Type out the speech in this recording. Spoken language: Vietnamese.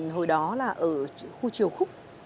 hồi đó là ở khu chiều khúc